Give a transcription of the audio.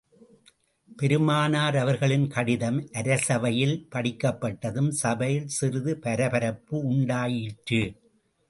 பெருமானார் அவர்களின் கடிதம் அரசவையில் படிக்கப்பட்டதும், சபையில் சிறிது பரபரப்பு உண்டாயிற்று.